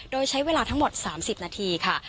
โดยใช้เวลาทั้งหมด๓๐นาทีค่ะ